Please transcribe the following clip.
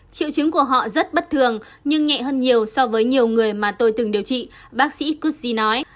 triệu chứng của họ rất bất thường nhưng nhẹ hơn nhiều so với nhiều người mà tôi từng điều trị bác sĩ kudsi nói